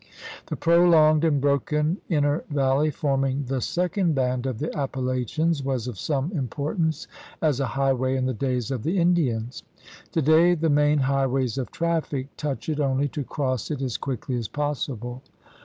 The prolonged and broken inner valley forming the second band of the Appalachians was of some importance as a highway in the days of the In dians. Today the main highways of traffic touch it only to cross it as quickly as possible.